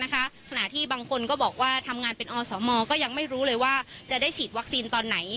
ขณะที่บางคนก็บอกว่าทำงานเป็นอสมก็ยังไม่รู้เลยว่าจะได้ฉีดวัคซีนตอนไหน